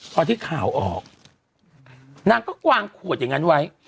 ข่าวที่ข่าวออกนางก็วางขวดอย่างนั้นไว้